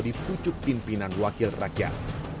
dipucuk pimpinan wakil rakyat